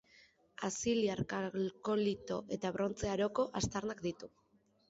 Aziliar, Kalkolito eta Brontze Aroko aztarnak ditu